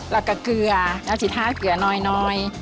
และก็เกลือเกลือน้อย